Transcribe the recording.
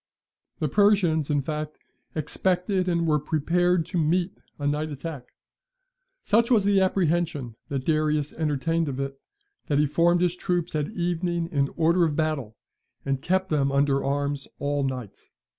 The Persians, in fact, expected, and were prepared to meet a night attack. Such was the apprehension that Darius entertained of it, that he formed his troops at evening in order of battle, and kept them under arms all night.